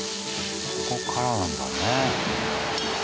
ここからなんだね。